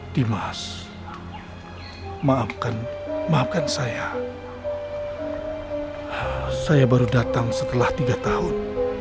dimas maafkan maafkan saya saya baru datang setelah tiga tahun